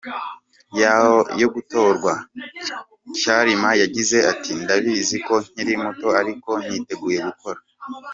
yo gutorwa, Kyarimpa yagize ati Ndabizi ko nkiri muto ariko niteguye gukora.